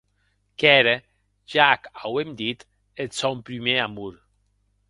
Qu’ère, ja ac auem dit, eth sòn prumèr amor.